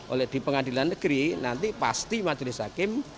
oleh di pengadilan negeri nanti pasti majelis hakim